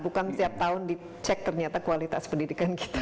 bukan setiap tahun dicek ternyata kualitas pendidikan kita